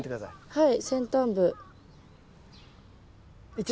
はい。